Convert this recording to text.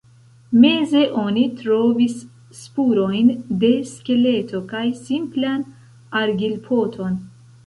Meze oni trovis spurojn de skeleto kaj simplan argilpoton.